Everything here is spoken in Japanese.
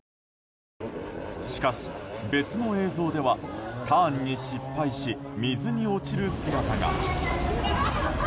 しかし、別の映像ではターンに失敗し水に落ちる姿が。